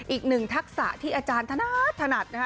อีกหนึ่งทักษะที่อาจารย์ถนัดถนัดนะคะ